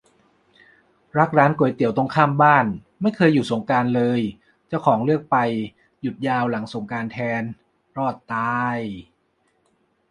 รักร้านก๋วยเตี๋ยวตรงข้ามบ้าน ไม่เคยหยุดสงกรานต์เลย เจ้าของเลือกไปหยุดยาวหลังสงกรานต์แทน รอดตาย